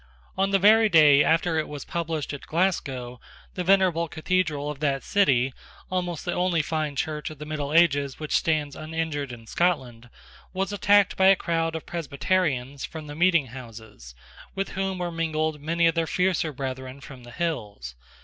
On the very day after it was published at Glasgow, the venerable Cathedral of that city, almost the only fine church of the middle ages which stands uninjured in Scotland, was attacked by a crowd of Presbyterians from the meeting houses, with whom were mingled many of their fiercer brethren from the hills.